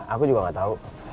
aku juga nggak tahu